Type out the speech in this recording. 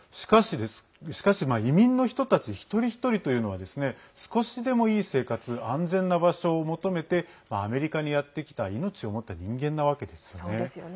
しかし、移民の人たち一人一人というのはですね少しでも、いい生活安全な場所を求めてアメリカにやってきた命を持った人間なわけですよね。